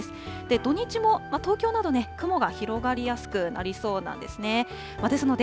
土日も東京など、雲が広がりやすくなりそうなんですね。